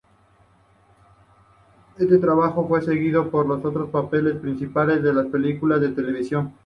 Este trabajo fue seguido por otros papeles principales en películas de televisión.